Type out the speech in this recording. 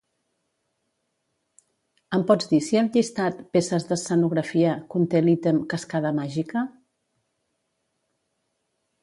Em pots dir si el llistat "Peces d'escenografia" conté l'ítem "cascada màgica"?